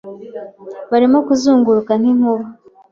Barimo kuzunguruka nk'inkuba